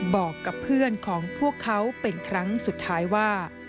บอกกับเพื่อนของพวกเขาเป็นครั้งสุดท้ายว่า